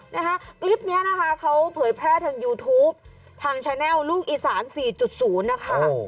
นะคะคลิปนี้นะคะเขาเผยแพร่ทางยูทูปทางชาแนลลูกอีสาน๔๐นะคะ